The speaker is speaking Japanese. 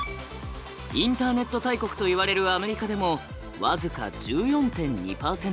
インターネット大国といわれるアメリカでも僅か１４．２％。